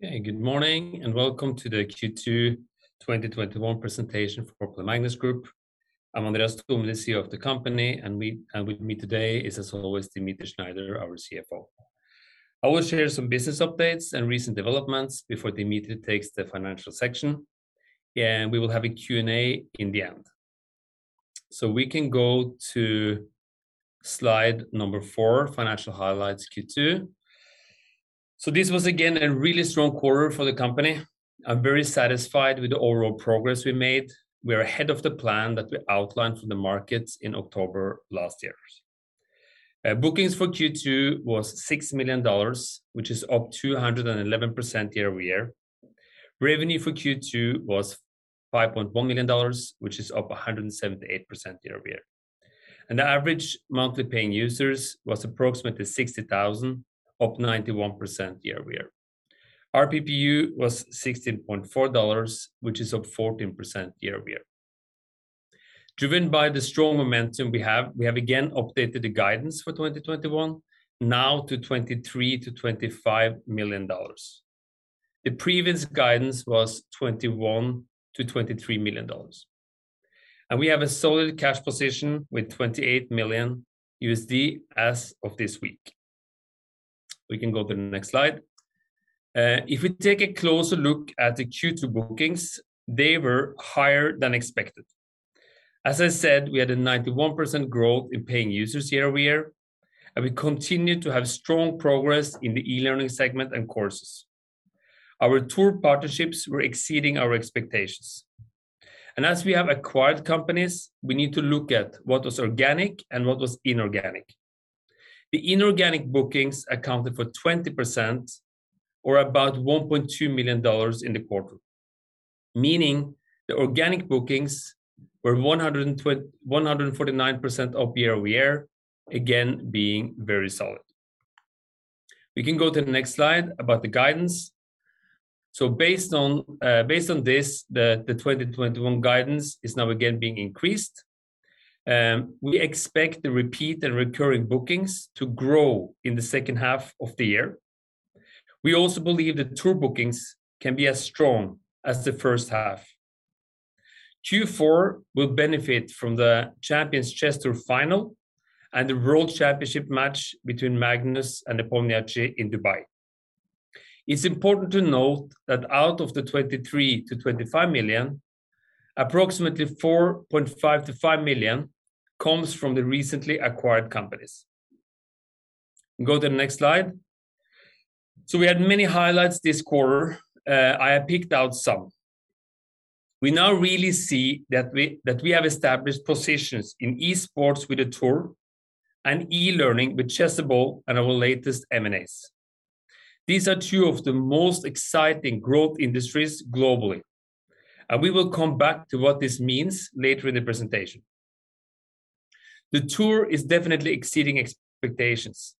Okay. Good morning, welcome to the Q2 2021 presentation for Play Magnus Group. I'm Andreas Thome, the CEO of the company, with me today is, as always, Dmitri Shneider, our CFO. I will share some business updates and recent developments before Dmitri takes the financial section. We will have a Q&A in the end. We can go to slide four, financial highlights Q2. This was again a really strong quarter for the company. I'm very satisfied with the overall progress we made. We are ahead of the plan that we outlined for the markets in October last year. Bookings for Q2 was NOK 6 million, which is up 211% year-over-year. Revenue for Q2 was NOK 5.1 million, which is up 178% year-over-year. The average monthly paying users was approximately 60,000, up 91% year-over-year. Our PPU was $16.4, which is up 14% year-over-year. Driven by the strong momentum we have, we have again updated the guidance for 2021 now to $23 million-$25 million. The previous guidance was $21 million-$23 million. We have a solid cash position with $28 million USD as of this week. We can go to the next slide. If we take a closer look at the Q2 bookings, they were higher than expected. As I said, we had a 91% growth in paying users year-over-year, and we continue to have strong progress in the e-learning segment and courses. Our tour partnerships were exceeding our expectations. As we have acquired companies, we need to look at what was organic and what was inorganic. The inorganic bookings accounted for 20%, or about $1.2 million in the quarter, meaning the organic bookings were 149% up year-over-year, again being very solid. We can go to the next slide about the guidance. Based on this, the 2021 guidance is now again being increased. We expect the repeat and recurring bookings to grow in the second half of the year. We also believe that tour bookings can be as strong as the first half. Q4 will benefit from the Champions Chess Tour Final and the World Chess Championship Match between Magnus and Nepomniachtchi in Dubai. It's important to note that out of the $23 million-$25 million, approximately $4.5 million-$5 million comes from the recently acquired companies. Go to the next slide. We had many highlights this quarter. I have picked out some. We now really see that we have established positions in e-sports with the tour and e-learning with Chessable and our latest M&As. These are two of the most exciting growth industries globally, and we will come back to what this means later in the presentation. The tour is definitely exceeding expectations,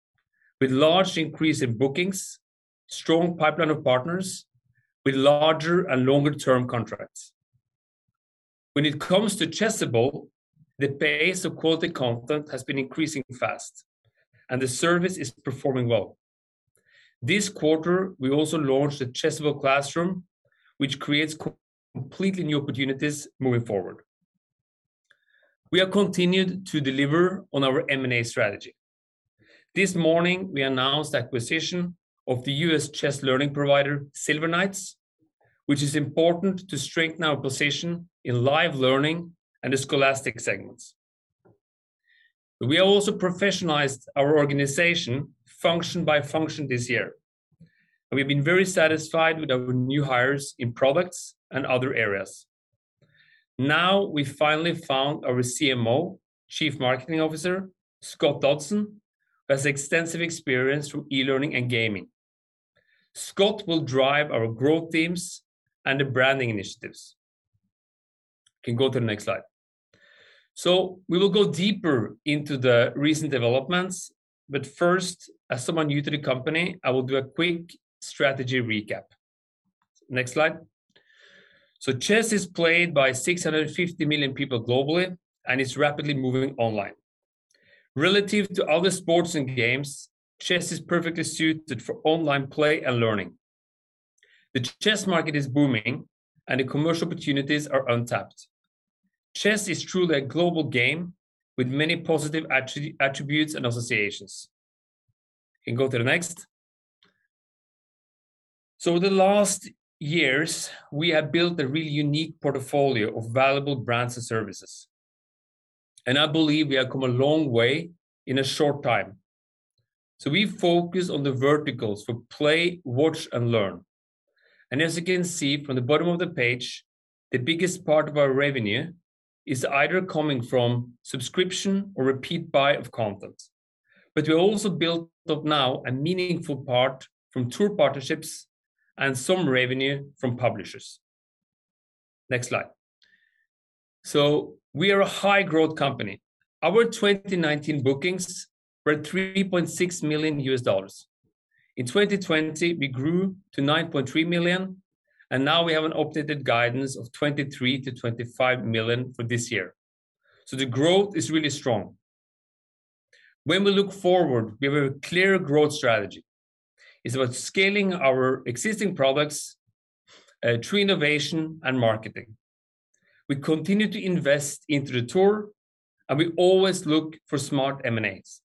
with large increase in bookings, strong pipeline of partners, with larger and longer term contracts. When it comes to Chessable, the pace of quality content has been increasing fast, and the service is performing well. This quarter, we also launched the Chessable Classroom, which creates completely new opportunities moving forward. We have continued to deliver on our M&A strategy. This morning, we announced acquisition of the US chess learning provider Silver Knights, which is important to strengthen our position in live learning and the scholastic segments. We also professionalized our organization function by function this year, and we've been very satisfied with our new hires in products and other areas. We finally found our CMO, chief marketing officer, Scott Dodson, who has extensive experience through e-learning and gaming. Scott will drive our growth teams and the branding initiatives. Can go to the next slide. We will go deeper into the recent developments, but first, as someone new to the company, I will do a quick strategy recap. Next slide. Chess is played by 650 million people globally and is rapidly moving online. Relative to other sports and games, chess is perfectly suited for online play and learning. The chess market is booming and the commercial opportunities are untapped. Chess is truly a global game with many positive attributes and associations. Can go to the next. The last years, we have built a really unique portfolio of valuable brands and services, and I believe we have come a long way in a short time. We focus on the verticals for play, watch, and learn. As you can see from the bottom of the page, the biggest part of our revenue is either coming from subscription or repeat buy of content. We also built up now a meaningful part from tour partnerships and some revenue from publishers. Next slide. We are a high growth company. Our 2019 bookings were $3.6 million. In 2020, we grew to $9.3 million, and now we have an updated guidance of $23 million-$25 million for this year. The growth is really strong. When we look forward, we have a clear growth strategy. It's about scaling our existing products through innovation and marketing. We continue to invest into the Champions Chess Tour. We always look for smart M&As.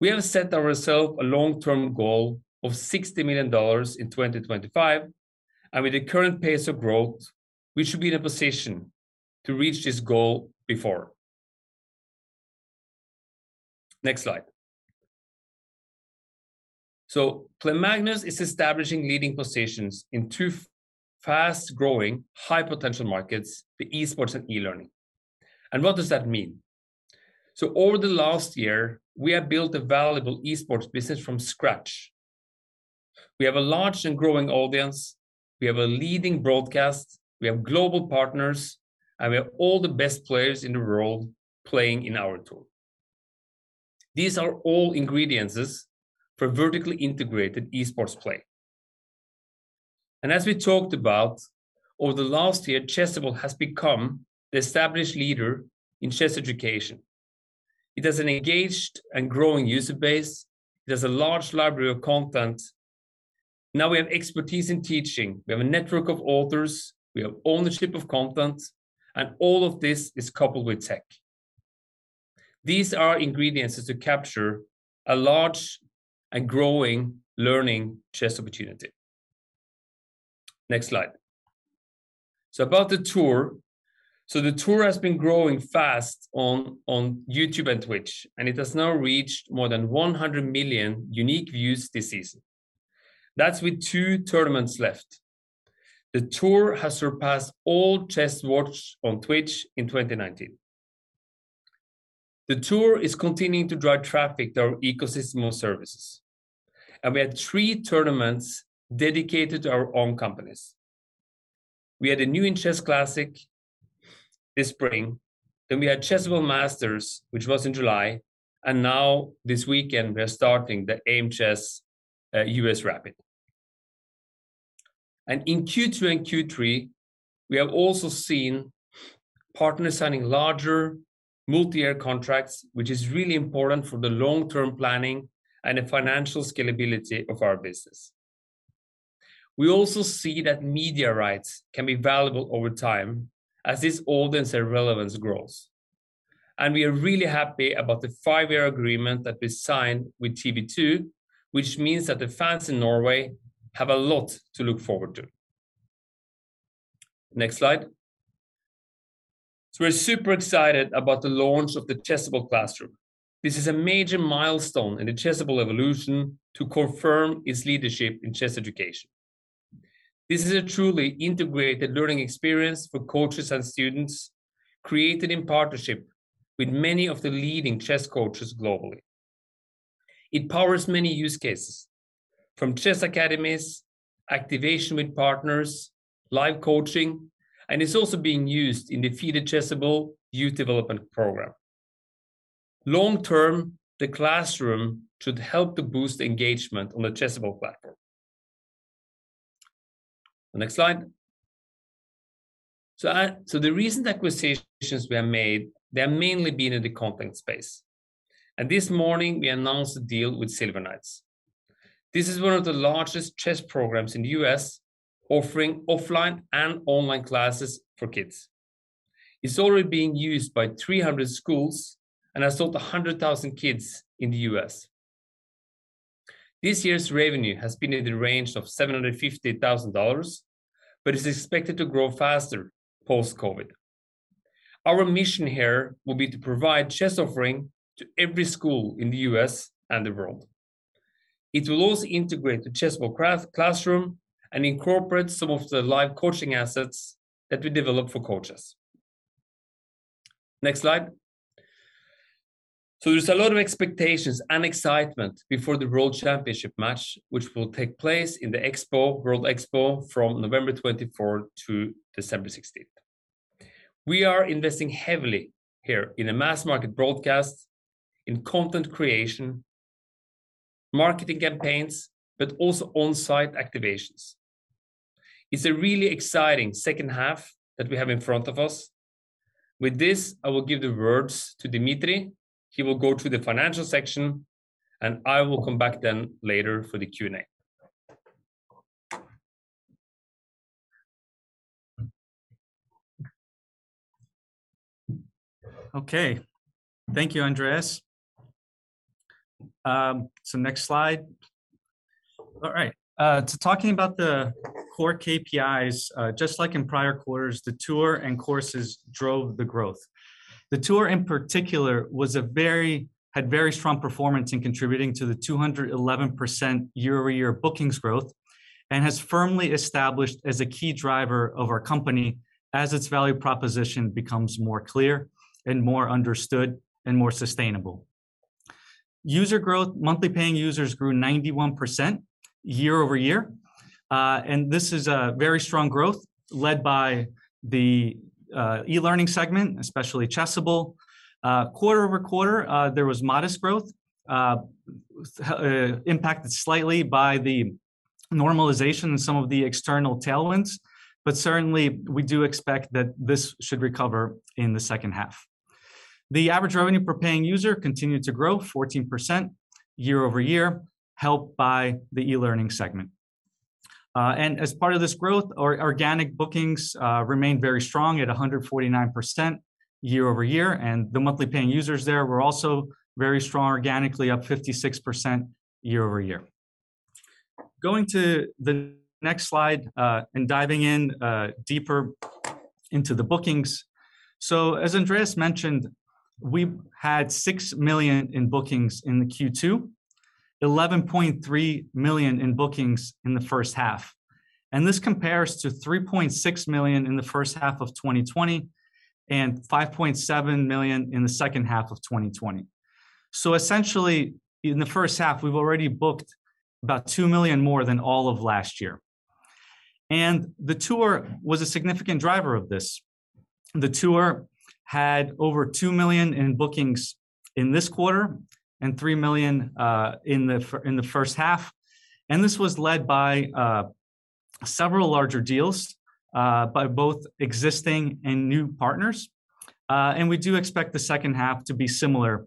We have set ourselves a long-term goal of NOK 60 million in 2025, and with the current pace of growth, we should be in a position to reach this goal before. Next slide. Play Magnus is establishing leading positions in two fast-growing, high-potential markets, the esports and e-learning. What does that mean? Over the last year, we have built a valuable esports business from scratch. We have a large and growing audience, we have a leading broadcast, we have global partners, and we have all the best players in the world playing in our Champions Chess Tour. These are all ingredients for a vertically integrated esports play. As we talked about, over the last year, Chessable has become the established leader in chess education. It has an engaged and growing user base. It has a large library of content. Now we have expertise in teaching, we have a network of authors, we have ownership of content, and all of this is coupled with tech. These are ingredients to capture a large and growing learning chess opportunity. Next slide. About the tour. The tour has been growing fast on YouTube and Twitch, and it has now reached more than 100 million unique views this season. That's with two tournaments left. The tour has surpassed all chess watched on Twitch in 2019. The tour is continuing to drive traffic to our ecosystem of services, and we had three tournaments dedicated to our own companies. We had a New In Chess Classic this spring. We had Chessable Masters, which was in July, and now this weekend, we are starting the Aimchess US Rapid. In Q2 and Q3, we have also seen partners signing larger multi-year contracts, which is really important for the long-term planning and the financial scalability of our business. We also see that media rights can be valuable over time as this audience and relevance grows. We are really happy about the 5-year agreement that we signed with TV 2, which means that the fans in Norway have a lot to look forward to. Next slide. We're super excited about the launch of the Chessable Classroom. This is a major milestone in the Chessable evolution to confirm its leadership in chess education. This is a truly integrated learning experience for coaches and students, created in partnership with many of the leading chess coaches globally. It powers many use cases, from chess academies, activation with partners, live coaching, and it's also being used in the FIDE Chessable Academy youth development program. Long term, the classroom should help to boost engagement on the Chessable platform. Next slide. The recent acquisitions we have made, they have mainly been in the content space. This morning we announced a deal with Silver Knights. This is one of the largest chess programs in the U.S., offering offline and online classes for kids. It's already being used by 300 schools and has taught 100,000 kids in the U.S. This year's revenue has been in the range of $750,000 but is expected to grow faster post-COVID. Our mission here will be to provide chess offering to every school in the U.S. and the world. It will also integrate the Chessable Classroom and incorporate some of the live coaching assets that we develop for coaches. There's a lot of expectations and excitement before the World Chess Championship match, which will take place in the World Expo from November 24th to December 16th. We are investing heavily here in a mass market broadcast, in content creation, marketing campaigns, but also on-site activations. It's a really exciting second half that we have in front of us. With this, I will give the words to Dmitri. He will go through the financial section, and I will come back then later for the Q&A. Okay. Thank you, Andreas. Next slide. All right. Talking about the core KPIs, just like in prior quarters, the tour and courses drove the growth. The tour in particular had very strong performance in contributing to the 211% year-over-year bookings growth and has firmly established as a key driver of our company as its value proposition becomes more clear and more understood and more sustainable. User growth, monthly paying users grew 91% year-over-year. This is a very strong growth led by the e-learning segment, especially Chessable. Quarter-over-quarter, there was modest growth impacted slightly by the normalization in some of the external tailwinds, but certainly we do expect that this should recover in the second half. The average revenue per paying user continued to grow 14% year-over-year, helped by the e-learning segment. As part of this growth, our organic bookings remained very strong at 149% year-over-year, and the monthly paying users there were also very strong organically, up 56% year-over-year. Going to the next slide, diving in deeper into the bookings. As Andreas mentioned, we had 6 million in bookings in the Q2, 11.3 million in bookings in the first half, and this compares to 3.6 million in the first half of 2020, and 5.7 million in the second half of 2020. Essentially, in the first half we've already booked about 2 million more than all of last year. The tour was a significant driver of this. The tour had over 2 million in bookings in this quarter, and 3 million in the first half. This was led by several larger deals by both existing and new partners. We do expect the second half to be similar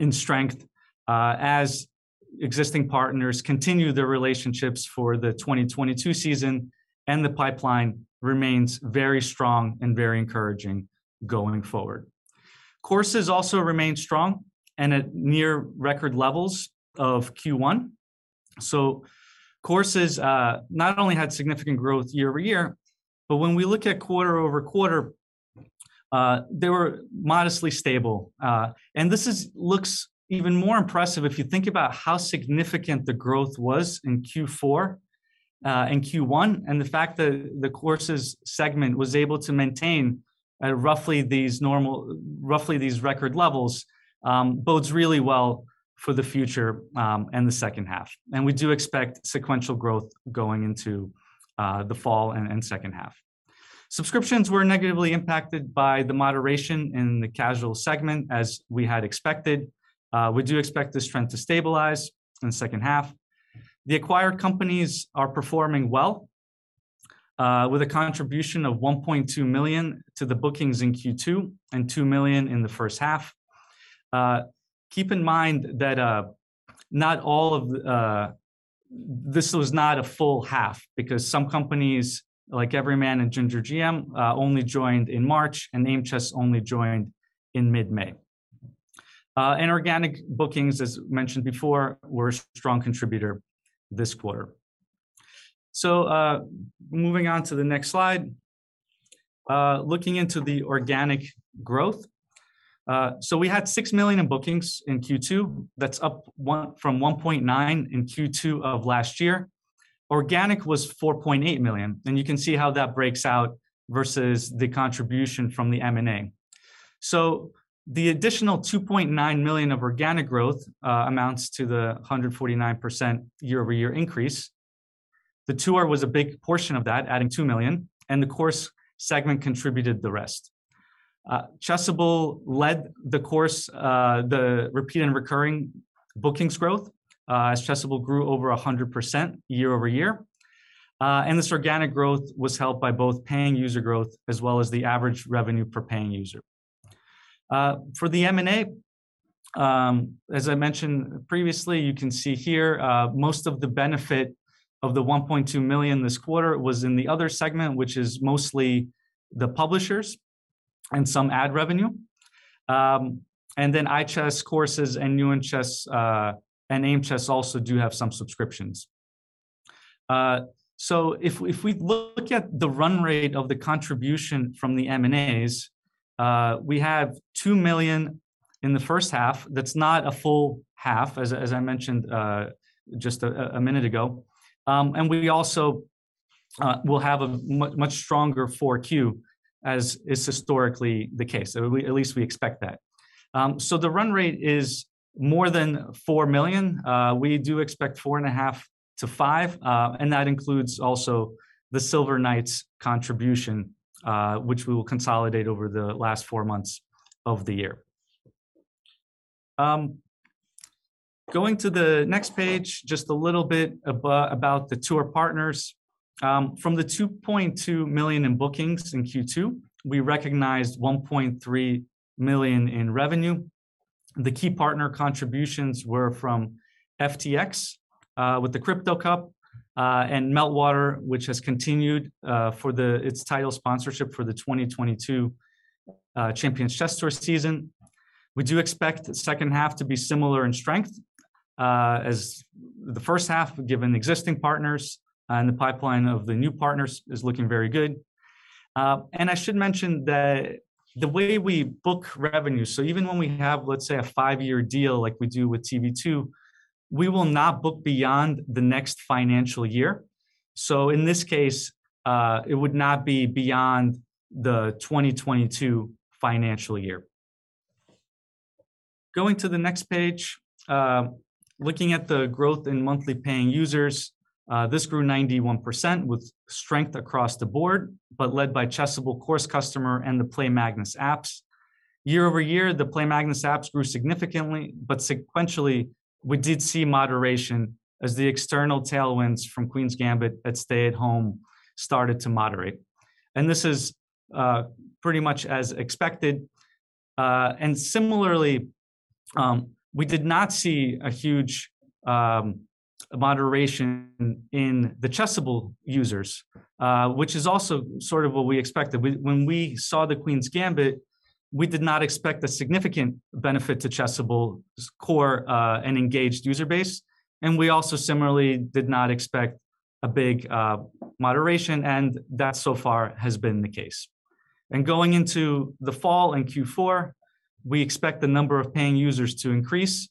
in strength as existing partners continue their relationships for the 2022 season, and the pipeline remains very strong and very encouraging going forward. Courses also remained strong and at near record levels of Q1. Courses not only had significant growth year-over-year, but when we look at quarter-over-quarter, they were modestly stable. This looks even more impressive if you think about how significant the growth was in Q4 and Q1, and the fact that the courses segment was able to maintain at roughly these record levels bodes really well for the future, and the second half. We do expect sequential growth going into the fall and second half. Subscriptions were negatively impacted by the moderation in the casual segment, as we had expected. We do expect this trend to stabilize in the second half. The acquired companies are performing well, with a contribution of 1.2 million to the bookings in Q2, and 2 million in the first half. Keep in mind that this was not a full half, because some companies, like Everyman Chess and Ginger GM, only joined in March, and Aimchess only joined in mid-May. Organic bookings, as mentioned before, were a strong contributor this quarter. Moving on to the next slide. Looking into the organic growth. We had 6 million in bookings in Q2. That's up from 1.9 million in Q2 of last year. Organic was 4.8 million, and you can see how that breaks out versus the contribution from the M&A. The additional 2.9 million of organic growth amounts to the 149% year-over-year increase. The tour was a big portion of that, adding 2 million, and the course segment contributed the rest. Chessable led the course, the repeat and recurring bookings growth, as Chessable grew over 100% year-over-year. This organic growth was helped by both paying user growth as well as the average revenue per paying user. For the M&A, as I mentioned previously, you can see here most of the benefit of the 1.2 million this quarter was in the other segment, which is mostly the publishers and some ad revenue. iChess courses and New In Chess, and Aimchess also do have some subscriptions. If we look at the run rate of the contribution from the M&As, we have 2 million in the first half. That's not a full half, as I mentioned just a minute ago. We also will have a much stronger 4Q, as is historically the case. At least we expect that. The run rate is more than 4 million. We do expect 4.5 million-5 million, and that includes also the Silver Knights contribution, which we will consolidate over the last 4 months of the year. Going to the next page, just a little bit about the tour partners. From the 2.2 million in bookings in Q2, we recognized 1.3 million in revenue. The key partner contributions were from FTX, with the Crypto Cup, and Meltwater, which has continued its title sponsorship for the 2022 Champions Chess Tour season. We do expect the second half to be similar in strength as the first half, given existing partners, and the pipeline of the new partners is looking very good. I should mention that the way we book revenue, so even when we have, let's say, a five-year deal like we do with TV 2, we will not book beyond the next financial year. In this case, it would not be beyond the 2022 financial year. Going to the next page. Looking at the growth in monthly paying users, this grew 91% with strength across the board, but led by Chessable course customer and the Play Magnus apps. Year-over-year, the Play Magnus apps grew significantly, but sequentially, we did see moderation as the external tailwinds from The Queen's Gambit, that stay at home started to moderate. This is pretty much as expected. Similarly, we did not see a huge moderation in the Chessable users, which is also sort of what we expected. When we saw The Queen's Gambit, we did not expect a significant benefit to Chessable's core and engaged user base, and we also similarly did not expect a big moderation, and that so far has been the case. Going into the fall in Q4, we expect the number of paying users to increase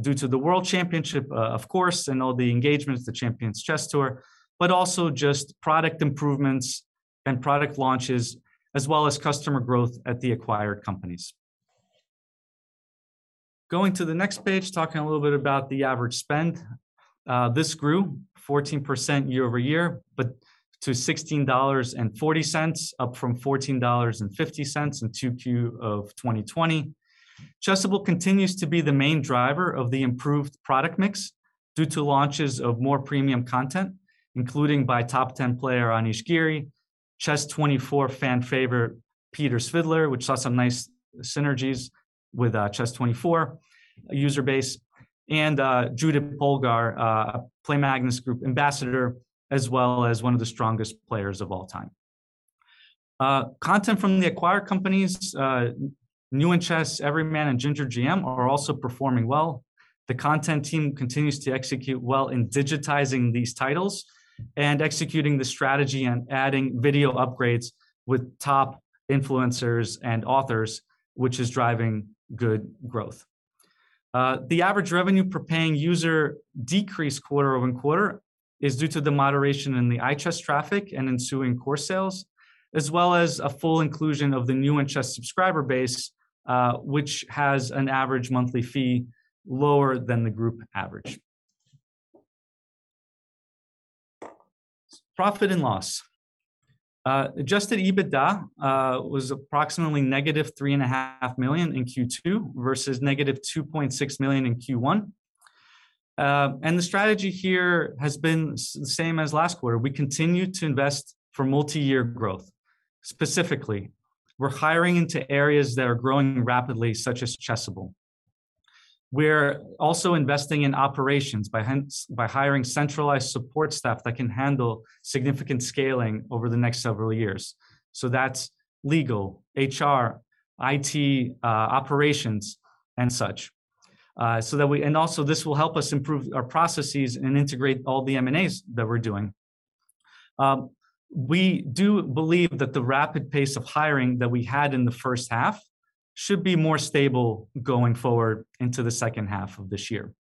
due to the World Chess Championship, of course, and all the engagements, the Champions Chess Tour, but also just product improvements and product launches, as well as customer growth at the acquired companies. Going to the next page, talking a little bit about the average spend. This grew 14% year-over-year, but to $16.40 up from $14.50 in Q2 2020. Chessable continues to be the main driver of the improved product mix due to launches of more premium content, including by top 10 player Anish Giri, Chess24 fan favorite Peter Svidler, which saw some nice synergies with Chess24 user base, and Judit Polgar, Play Magnus Group ambassador, as well as one of the strongest players of all time. Content from the acquired companies, New In Chess, Everyman, and Ginger GM are also performing well. The content team continues to execute well in digitizing these titles and executing the strategy and adding video upgrades with top influencers and authors, which is driving good growth. The average revenue per paying user decrease quarter-over-quarter is due to the moderation in the chess traffic and ensuing course sales, as well as a full inclusion of the New In Chess subscriber base, which has an average monthly fee lower than the group average. Profit and loss. Adjusted EBITDA was approximately negative 3.5 million in Q2 versus negative 2.6 million in Q1. The strategy here has been the same as last quarter. Specifically, we're hiring into areas that are growing rapidly, such as Chessable. We're also investing in operations by hiring centralized support staff that can handle significant scaling over the next several years. That's legal, HR, IT, operations, and such. This will help us improve our processes and integrate all the M&As that we're doing. We do believe that the rapid pace of hiring that we had in the first half should be more stable going forward into the second half of this year.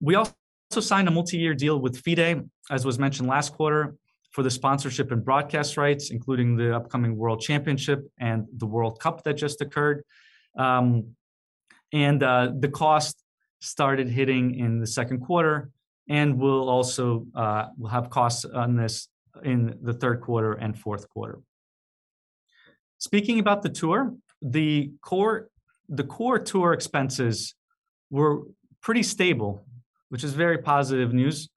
We also signed a multi-year deal with FIDE, as was mentioned last quarter, for the sponsorship and broadcast rights, including the upcoming World Chess Championship and the FIDE World Cup that just occurred. The cost started hitting in the second quarter and we'll have costs on this in the third quarter and fourth quarter. Speaking about the tour, the core tour expenses were pretty stable, which is very positive news.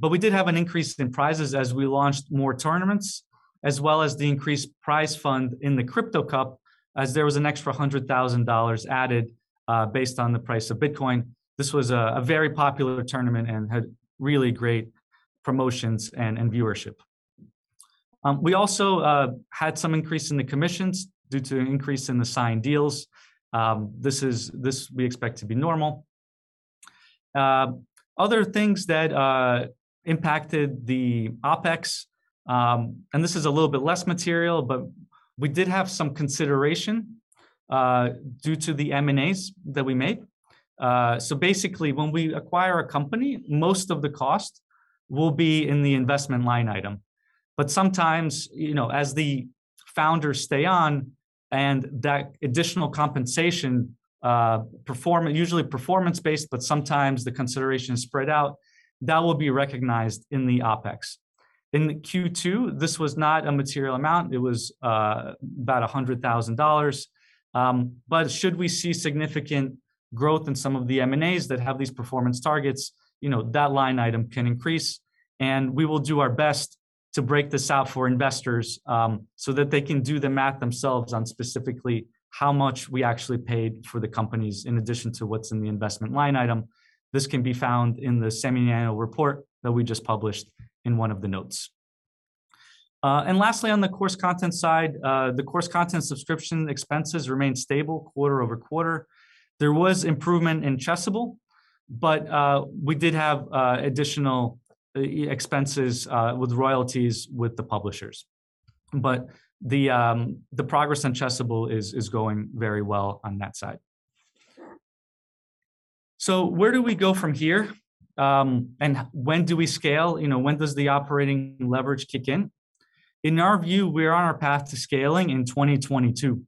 We did have an increase in prizes as we launched more tournaments, as well as the increased prize fund in the Crypto Cup as there was an extra $100,000 added based on the price of Bitcoin. This was a very popular tournament and had really great promotions and viewership. We also had some increase in the commissions due to an increase in the signed deals. This we expect to be normal. Other things that impacted the OpEx, and this is a little bit less material, but we did have some consideration due to the M&As that we made. Basically when we acquire a company, most of the cost will be in the investment line item. Sometimes, as the founders stay on and that additional compensation, usually performance-based, but sometimes the consideration is spread out, that will be recognized in the OpEx. In the Q2, this was not a material amount. It was about $100,000. Should we see significant growth in some of the M&As that have these performance targets, that line item can increase, and we will do our best to break this out for investors so that they can do the math themselves on specifically how much we actually paid for the companies in addition to what's in the investment line item. This can be found in the semiannual report that we just published in one of the notes. Lastly, on the course content side, the course content subscription expenses remained stable quarter-over-quarter. There was improvement in Chessable, but we did have additional expenses with royalties with the publishers. The progress on Chessable is going very well on that side. Where do we go from here? When do we scale? When does the operating leverage kick in? In our view, we are on our path to scaling in 2022.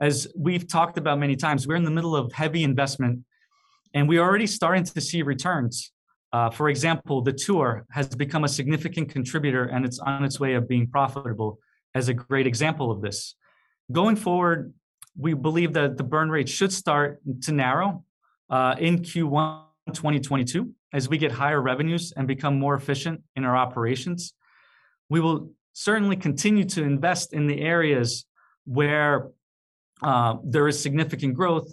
As we've talked about many times, we're in the middle of heavy investment. We are already starting to see returns. For example, the tour has become a significant contributor, and it's on its way of being profitable as a great example of this. Going forward, we believe that the burn rate should start to narrow in Q1 2022, as we get higher revenues and become more efficient in our operations. We will certainly continue to invest in the areas where there is significant growth,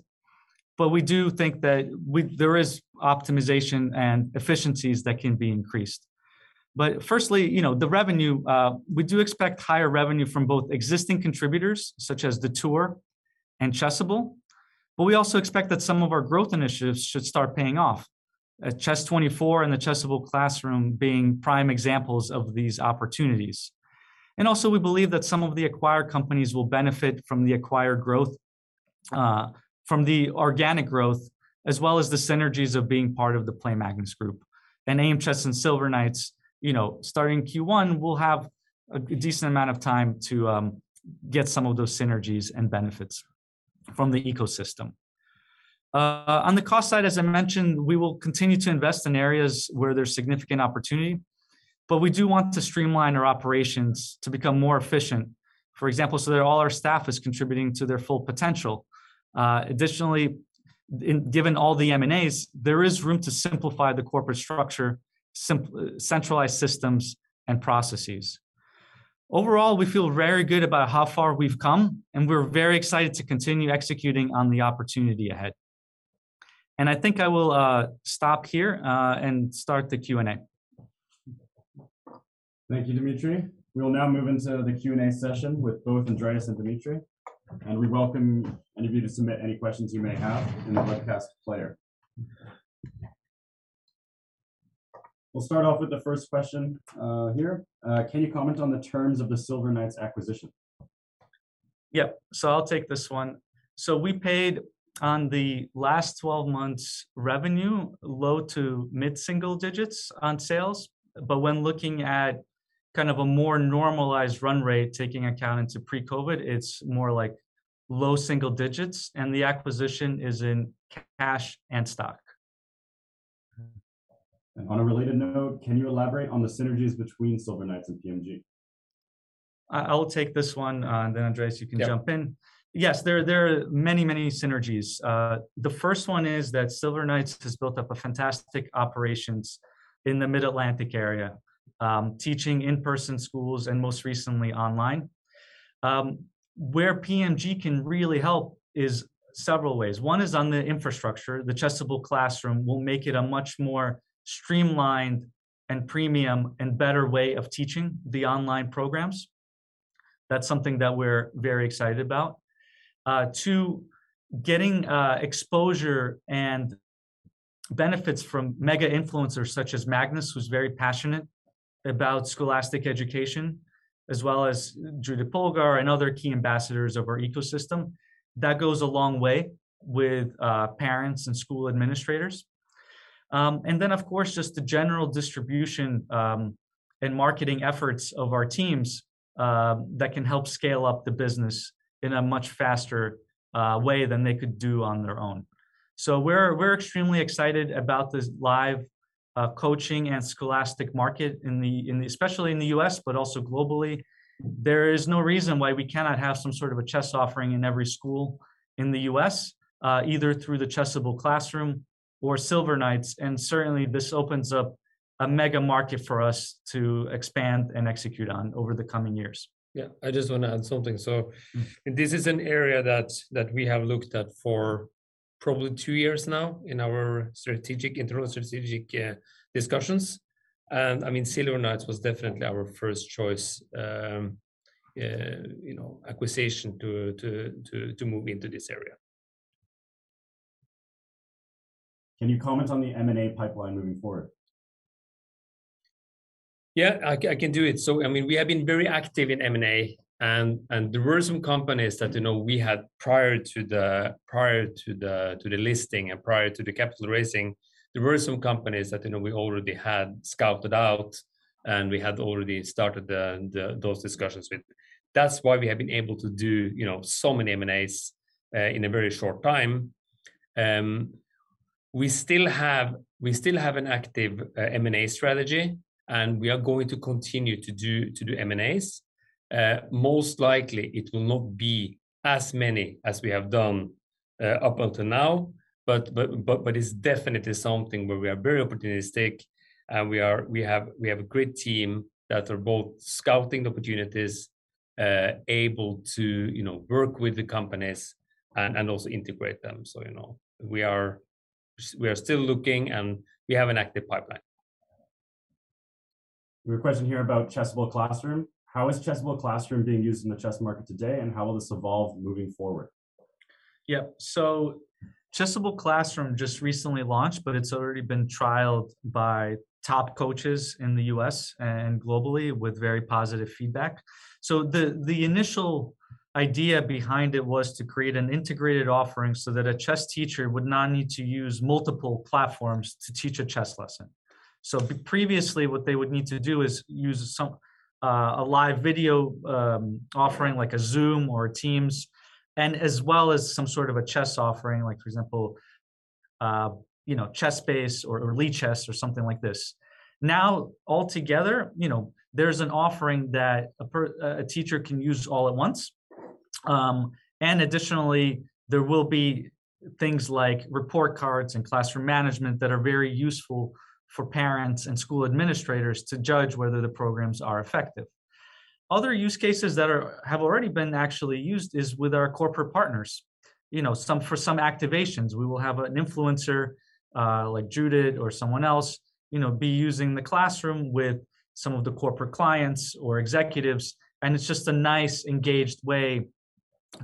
but we do think that there is optimization and efficiencies that can be increased. Firstly, the revenue, we do expect higher revenue from both existing contributors, such as the tour and Chessable, but we also expect that some of our growth initiatives should start paying off. Chess24 and the Chessable Classroom being prime examples of these opportunities. Also, we believe that some of the acquired companies will benefit from the acquired growth, from the organic growth, as well as the synergies of being part of the Play Magnus Group. Aimchess and Silver Knights, starting Q1, will have a decent amount of time to get some of those synergies and benefits from the ecosystem. On the cost side, as I mentioned, we will continue to invest in areas where there's significant opportunity, but we do want to streamline our operations to become more efficient, for example, so that all our staff is contributing to their full potential. Additionally, given all the M&As, there is room to simplify the corporate structure, centralize systems and processes. Overall, we feel very good about how far we've come, and we're very excited to continue executing on the opportunity ahead. I think I will stop here and start the Q&A. Thank you, Dmitri. We will now move into the Q&A session with both Andreas and Dmitri. We welcome any of you to submit any questions you may have in the webcast player. We'll start off with the first question here. Can you comment on the terms of the Silver Knights acquisition? Yep. I'll take this one. We paid on the last 12 months revenue, low to mid-single digits on sales. When looking at kind of a more normalized run rate, taking account into pre-COVID, it's more like low single digits, and the acquisition is in cash and stock. On a related note, can you elaborate on the synergies between Silver Knights and PMG? I'll take this one, and then, Andreas, you can jump in. Yeah. Yes. There are many synergies. The first one is that Silver Knights has built up a fantastic operations in the Mid-Atlantic area, teaching in-person schools, and most recently, online. Where PMG can really help is several ways. One is on the infrastructure. The Chessable Classroom will make it a much more streamlined and premium and better way of teaching the online programs. That's something that we're very excited about. Two, getting exposure and benefits from mega influencers such as Magnus, who's very passionate about scholastic education, as well as Judit Polgar and other key ambassadors of our ecosystem. That goes a long way with parents and school administrators. Of course, just the general distribution and marketing efforts of our teams that can help scale up the business in a much faster way than they could do on their own. We're extremely excited about this live coaching and scholastic market, especially in the U.S., but also globally. There is no reason why we cannot have some sort of a chess offering in every school in the U.S., either through the Chessable Classroom or Silver Knights, and certainly, this opens up a mega market for us to expand and execute on over the coming years. Yeah, I just want to add something. This is an area that we have looked at for probably two years now in our internal strategic discussions. Silver Knights was definitely our first choice acquisition to move into this area. Can you comment on the M&A pipeline moving forward? Yeah, I can do it. We have been very active in M&A, and there were some companies that we had prior to the listing and prior to the capital raising, there were some companies that we already had scouted out and we had already started those discussions with. That's why we have been able to do so many M&As in a very short time. We still have an active M&A strategy, and we are going to continue to do M&As. Most likely, it will not be as many as we have done up until now, but it's definitely something where we are very opportunistic, and we have a great team that are both scouting opportunities, able to work with the companies, and also integrate them. We are still looking, and we have an active pipeline. We have a question here about Chessable Classroom. How is Chessable Classroom being used in the chess market today, and how will this evolve moving forward? Yep. Chessable Classroom just recently launched, but it's already been trialed by top coaches in the U.S. and globally with very positive feedback. The initial idea behind it was to create an integrated offering so that a chess teacher would not need to use multiple platforms to teach a chess lesson. Previously, what they would need to do is use a live video offering, like a Zoom or a Teams, and as well as some sort of a chess offering, like for example, ChessBase or Lichess or something like this. Now altogether, there's an offering that a teacher can use all at once. Additionally, there will be things like report cards and classroom management that are very useful for parents and school administrators to judge whether the programs are effective. Other use cases that have already been actually used is with our corporate partners. For some activations, we will have an influencer, like Judit or someone else, be using the Chessable Classroom with some of the corporate clients or executives, and it's just a nice engaged way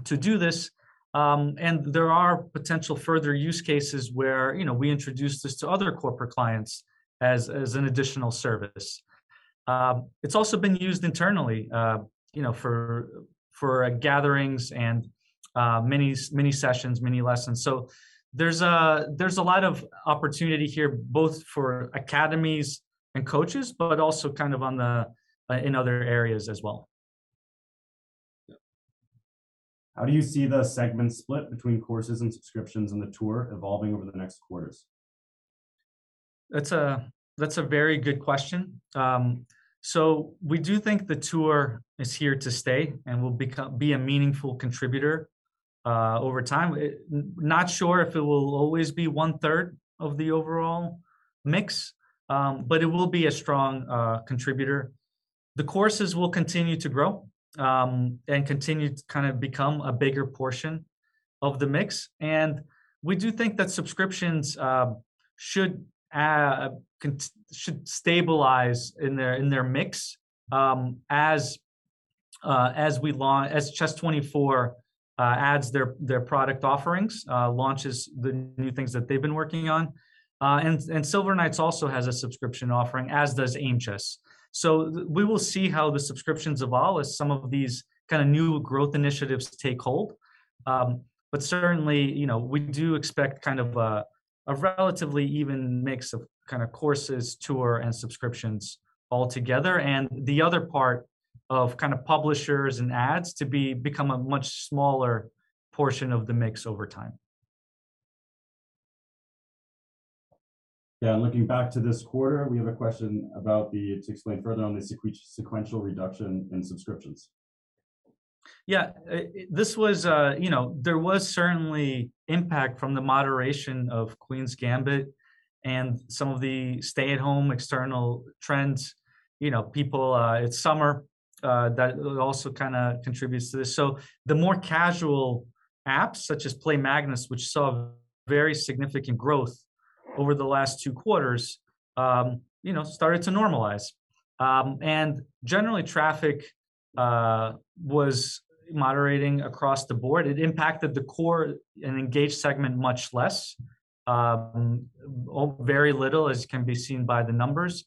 to do this. There are potential further use cases where we introduce this to other corporate clients as an additional service. It's also been used internally for gatherings and mini sessions, mini lessons. There's a lot of opportunity here, both for academies and coaches, but also in other areas as well. How do you see the segment split between courses and subscriptions on the tour evolving over the next quarters? That's a very good question. We do think the Champions Chess Tour is here to stay and will be a meaningful contributor over time. Not sure if it will always be 1/3 of the overall mix, but it will be a strong contributor. The courses will continue to grow, and continue to become a bigger portion of the mix. We do think that subscriptions should stabilize in their mix as Chess24 adds their product offerings, launches the new things that they've been working on. Silver Knights also has a subscription offering, as does Aimchess. We will see how the subscriptions evolve as some of these kind of new growth initiatives take hold. Certainly, we do expect a relatively even mix of courses, Champions Chess Tour, and subscriptions altogether. The other part of publishers and ads to become a much smaller portion of the mix over time. Yeah, looking back to this quarter, we have a question to explain further on the sequential reduction in subscriptions. There was certainly impact from the moderation of The Queen's Gambit and some of the stay-at-home external trends. It's summer. That also kind of contributes to this. The more casual apps, such as Play Magnus, which saw very significant growth over the last two quarters, started to normalize. Generally, traffic was moderating across the board. It impacted the core and engaged segment much less, very little, as can be seen by the numbers.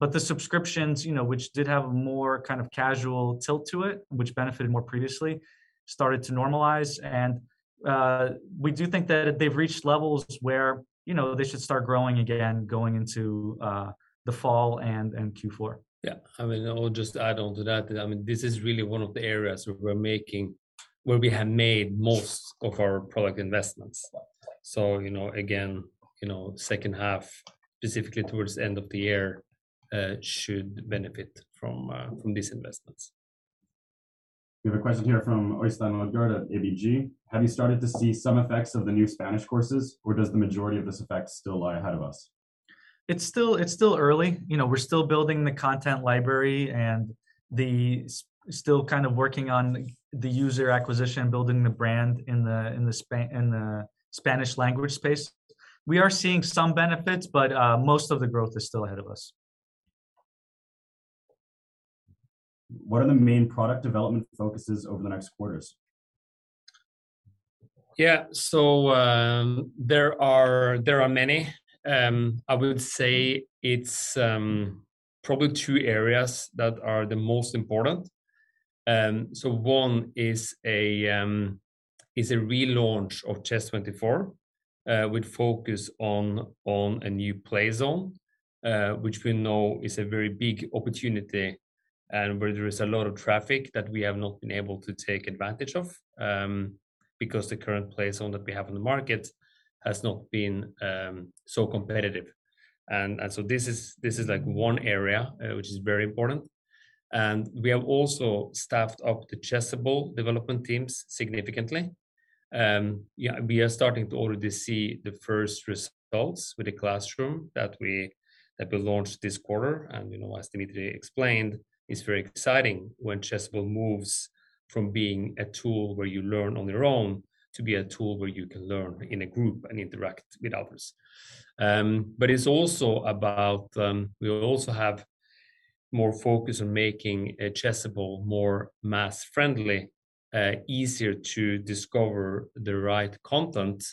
The subscriptions, which did have a more kind of casual tilt to it, which benefited more previously, started to normalize. We do think that they've reached levels where they should start growing again going into the fall and Q4. Yeah. I mean, I'll just add on to that. I mean, this is really one of the areas where we have made most of our product investments. Again, second half, specifically towards the end of the year, should benefit from these investments. We have a question here from Øystein Uldal at ABG. Have you started to see some effects of the new Spanish courses, or does the majority of this effect still lie ahead of us? It's still early. We're still building the content library and still kind of working on the user acquisition, building the brand in the Spanish language space. We are seeing some benefits, but most of the growth is still ahead of us. What are the main product development focuses over the next quarters? There are many. I would say it is probably two areas that are the most important. One is a relaunch of Chess24, with focus on a new play zone, which we know is a very big opportunity and where there is a lot of traffic that we have not been able to take advantage of, because the current play zone that we have on the market has not been so competitive. This is one area which is very important. We have also staffed up the Chessable development teams significantly. We are starting to already see the first results with the Chessable Classroom that we launched this quarter. As Dmitri explained, it is very exciting when Chessable moves from being a tool where you learn on your own to be a tool where you can learn in a group and interact with others. We'll also have more focus on making Chessable more mass-friendly, easier to discover the right content,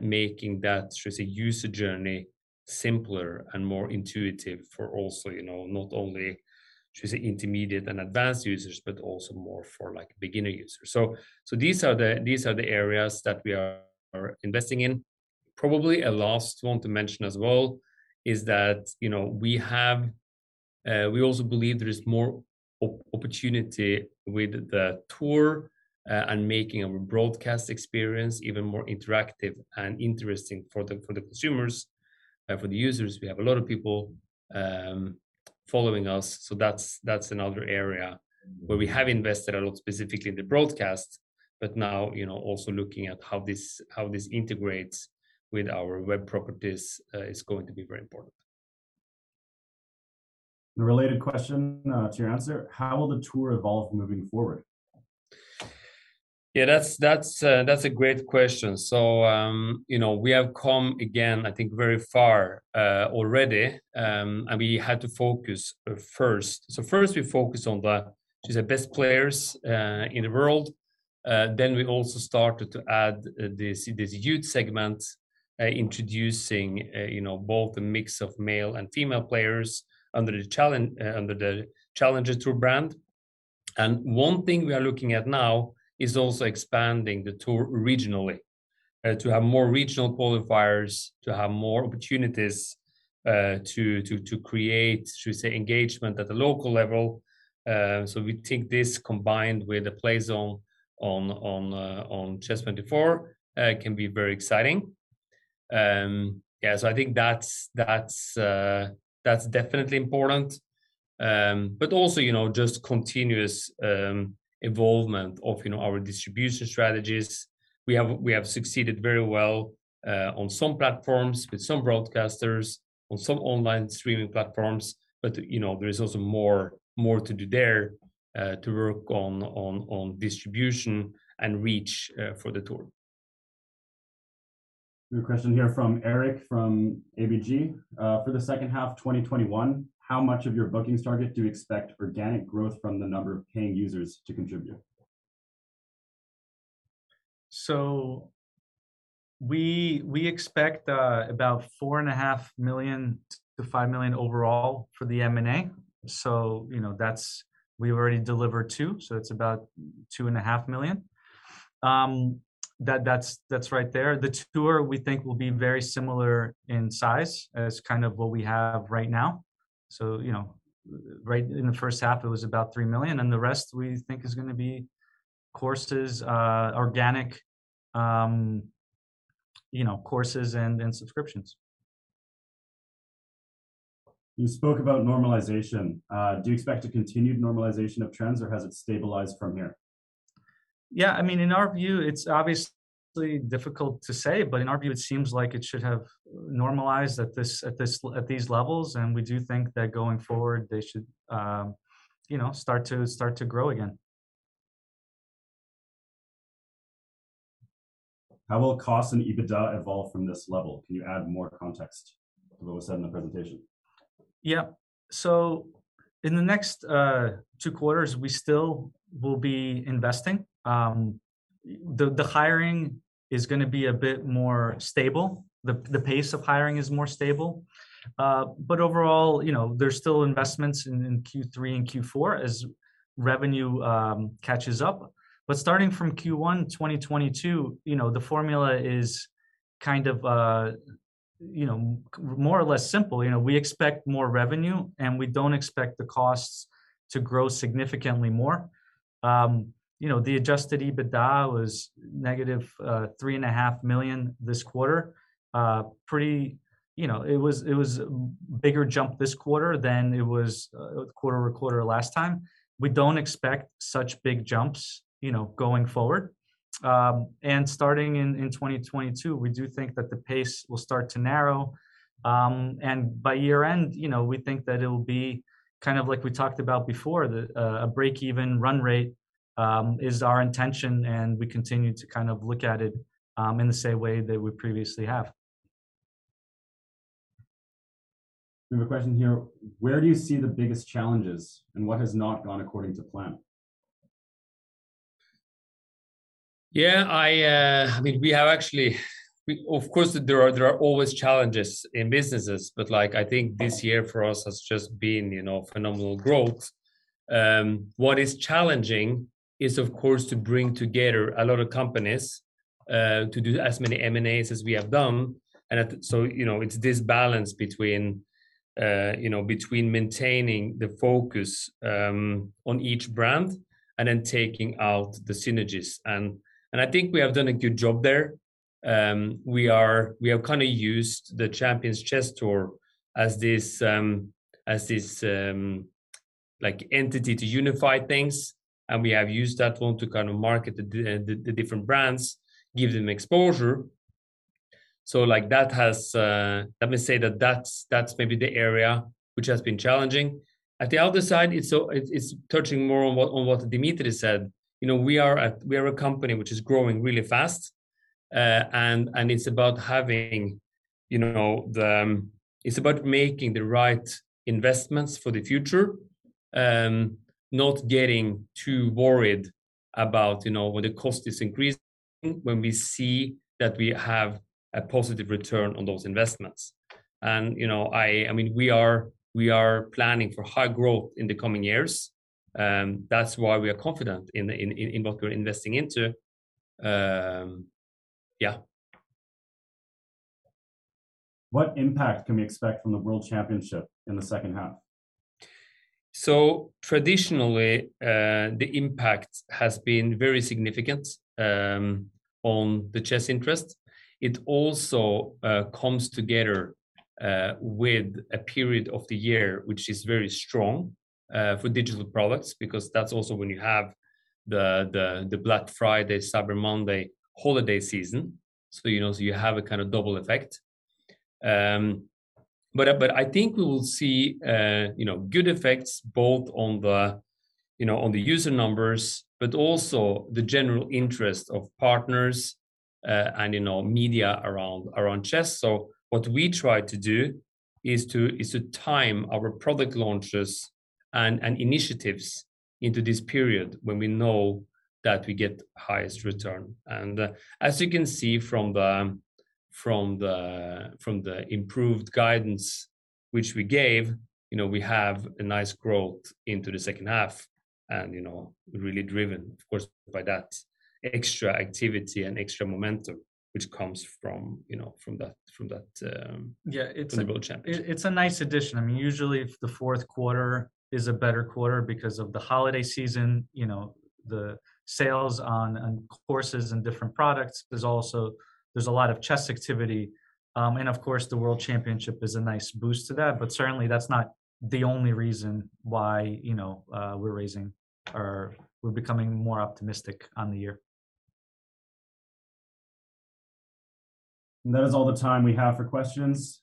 making that user journey simpler and more intuitive for not only intermediate and advanced users, but also more for beginner users. These are the areas that we are investing in. Probably a last one to mention as well is that we also believe there is more opportunity with the tour and making our broadcast experience even more interactive and interesting for the consumers and for the users. We have a lot of people following us, so that's another area where we have invested a lot, specifically in the broadcast. Now, also looking at how this integrates with our web properties is going to be very important. A related question to your answer, how will the tour evolve moving forward? Yeah, that's a great question. We have come, again, I think, very far already, and we had to focus first. First, we focused on the best players in the world. We also started to add this youth segment, introducing both the mix of male and female players under the Challengers Tour brand. One thing we are looking at now is also expanding the tour regionally to have more regional qualifiers, to have more opportunities to create engagement at the local level. We think this, combined with the play zone on Chess24, can be very exciting. Yeah, I think that's definitely important. Also, just continuous involvement of our distribution strategies. We have succeeded very well on some platforms with some broadcasters, on some online streaming platforms, but there is also more to do there to work on distribution and reach for the tour. We have a question here from Eric from ABG. For the second half 2021, how much of your bookings target do you expect organic growth from the number of paying users to contribute? We expect about four and a half million to 5 million overall for the M&A. We've already delivered 2 million, so it's about two and a half million. That's right there. The tour, we think, will be very similar in size as kind of what we have right now. Right in the first half, it was about 3 million, and the rest we think is going to be courses, organic courses, and then subscriptions. You spoke about normalization. Do you expect a continued normalization of trends, or has it stabilized from here? It's obviously difficult to say, but in our view, it seems like it should have normalized at these levels, and we do think that going forward, they should start to grow again. How will cost and EBITDA evolve from this level? Can you add more context to what was said in the presentation? In the next two quarters, we still will be investing. The hiring is going to be a bit more stable. The pace of hiring is more stable. Overall, there's still investments in Q3 and Q4 as revenue catches up. Starting from Q1 2022, the formula is more or less simple. We expect more revenue, and we don't expect the costs to grow significantly more. The adjusted EBITDA was negative 3.5 million this quarter. It was a bigger jump this quarter than it was quarter-over-quarter last time. We don't expect such big jumps going forward. Starting in 2022, we do think that the pace will start to narrow. By year-end, we think that it'll be kind of like we talked about before, a break-even run rate is our intention, and we continue to kind of look at it in the same way that we previously have. We have a question here. Where do you see the biggest challenges, and what has not gone according to plan? Yeah. Of course, there are always challenges in businesses, but I think this year for us has just been phenomenal growth. What is challenging is, of course, to bring together a lot of companies to do as many M&As as we have done. It's this balance between maintaining the focus on each brand and then taking out the synergies. I think we have done a good job there. We have kind of used the Champions Chess Tour as this entity to unify things, and we have used that one to kind of market the different brands, give them exposure. Let me say that that's maybe the area which has been challenging. At the other side, it's touching more on what Dimitri said. We are a company which is growing really fast, and it's about making the right investments for the future, not getting too worried about when the cost is increasing, when we see that we have a positive return on those investments. We are planning for high growth in the coming years. That's why we are confident in what we're investing into. Yeah What impact can we expect from the World Championship in the second half? Traditionally, the impact has been very significant on the chess interest. It also comes together with a period of the year which is very strong for digital products, because that's also when you have the Black Friday, Cyber Monday holiday season. You have a kind of double effect. I think we will see good effects both on the user numbers, but also the general interest of partners and media around chess. What we try to do is to time our product launches and initiatives into this period when we know that we get highest return. As you can see from the improved guidance which we gave, we have a nice growth into the second half and really driven, of course, by that extra activity and extra momentum which comes from that. Yeah. World Championship. It's a nice addition. Usually if the fourth quarter is a better quarter because of the holiday season, the sales on courses and different products, there's a lot of chess activity. Of course, the World Championship is a nice boost to that, certainly that's not the only reason why we're becoming more optimistic on the year. That is all the time we have for questions.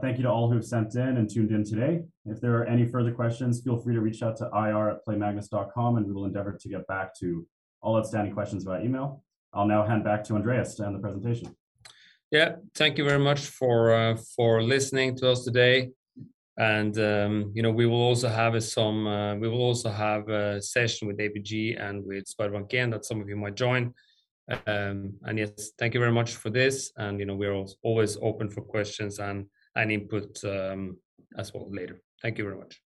Thank you to all who sent in and tuned in today. If there are any further questions, feel free to reach out to ir@playmagnus.com we will endeavor to get back to all outstanding questions via email. I'll now hand back to Andreas to end the presentation. Thank you very much for listening to us today. We will also have a session with ABG and with Sverre Johnsen that some of you might join. Yes, thank you very much for this, and we are always open for questions and input as well later. Thank you very much.